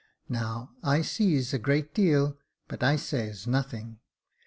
Now, I sees a great deal, but I says nothing.